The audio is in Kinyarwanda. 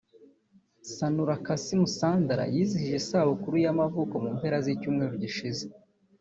Sanura Kassim ’Sandra’ wizihije isabukuru y’amavuko mu mpera z’icyumweru gishize